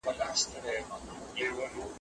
په سابو کې کوچ نه شته.